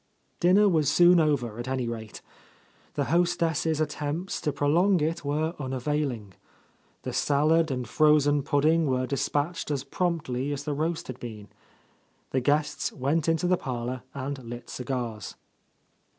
Dinner was soon over, at any rate. The host ess' attempts to prolong it were unavailing. The salad and frozen pudding were dispatched as promptly as the roast had been. The guests went into the parlour and lit cigars.